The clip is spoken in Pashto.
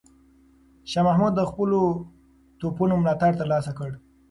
شاه محمود د خپلو توپونو ملاتړ ترلاسه کړ.